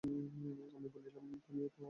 আমি বলিলাম, তুমিও তো আমাকে জান।